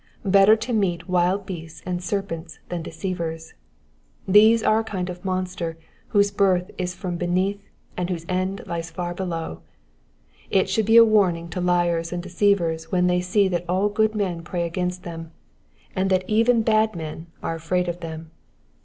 Better to meet wild beasts and serpents than deceivers : these are a kind of monster whose birth is from beneath, and whose end lies far below. It should be a warning to liars and deceivers when they see that all good men pray against them, and that even bad Digitized by VjOOQIC 406 EXPOSITIONS OP THE PSALMS. men are afraid of them.